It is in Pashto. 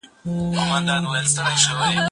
هغه وویل چې منډه ښه ده!؟